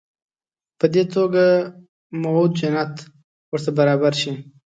په دې توګه موعود جنت ورته برابر شي.